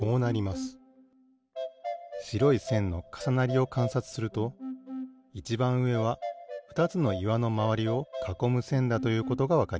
しろいせんのかさなりをかんさつするといちばんうえはふたつのいわのまわりをかこむせんだということがわかります。